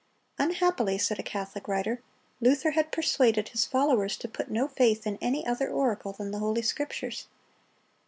"Unhappily," said a Catholic writer, "Luther had persuaded his followers to put no faith in any other oracle than the Holy Scriptures."